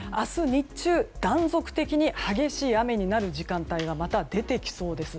日中、断続的に激しい雨になる時間帯がまた出てきそうです。